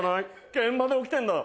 現場で起きてるんだ！